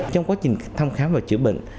trong quá trình thăm khám và chữa bệnh